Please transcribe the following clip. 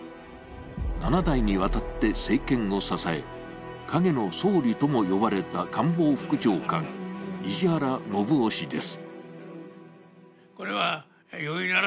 ７代にわたって政権を支え影の総理とも呼ばれた官房副長官石原信雄氏です。